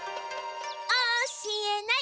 おしえない！